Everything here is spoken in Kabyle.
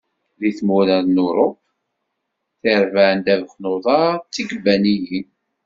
Di tmura n Turuft, tirebbaɛ n ddabex n uḍar d ikebbaniyin.